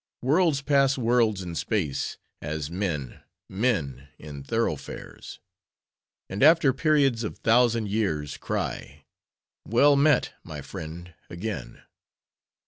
—Worlds pass worlds in space, as men, men,—in thoroughfares; and after periods of thousand years, cry:—"Well met, my friend, again!"